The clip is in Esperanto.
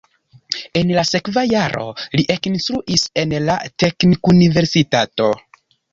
En la sekva jaro li ekinstruis en la Teknikuniversitato.